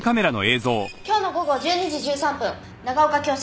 今日の午後１２時１３分長岡京市。